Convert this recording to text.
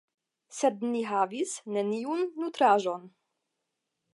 Sed ni havis neniun nutraĵon.